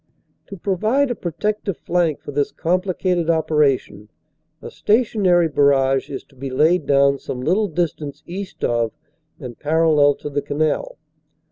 To provide a protective flank for this complicated operation a sta tionary barrage is to be laid down some little distance east of and parallel to the canal.